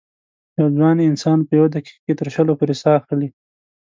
یو ځوان انسان په یوه دقیقه کې تر شلو پورې سا اخلي.